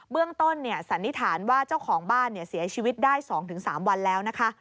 เรื่องต้นสันนิษฐานว่าเจ้าของบ้านเสียชีวิตได้๒๓วันแล้วนะคะ